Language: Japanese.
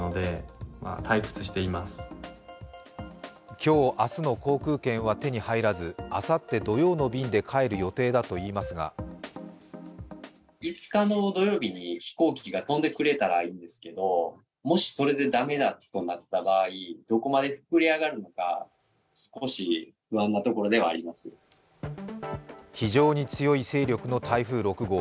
今日、明日の航空券は手に入らずあさって土曜の便で帰る予定だといいますが非常に強い勢力の台風６号。